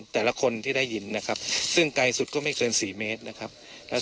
แต่ละคนที่ได้ยินนะครับซึ่งไกลสุดก็ไม่เกิน๔เมตรนะครับ